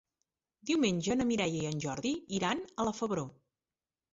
Diumenge na Mireia i en Jordi iran a la Febró.